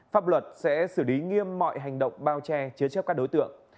pháp luật sẽ xử lý nghiêm mọi hành động bao che chế chấp các đối tượng